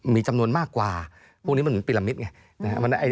มีจำนวนมากกว่าพวกนี้มันเหมือนปีละมิตรไง